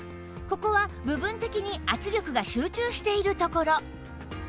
ここは部分的に圧力が集中しているところ